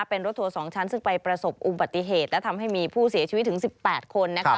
เป็นรถทัวร์๒ชั้นซึ่งไปประสบอุบัติเหตุและทำให้มีผู้เสียชีวิตถึง๑๘คนนะคะ